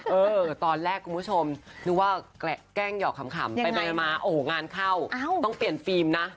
เออตอนแรกคุณผู้ชมนึกว่าแกล้งหยอกขำไปมาโอ้โหงานเข้าต้องเปลี่ยนฟิล์มนะ